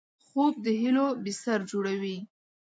خوب د هیلو بستر جوړوي